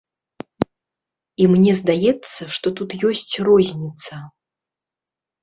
І мне здаецца, што тут ёсць розніца.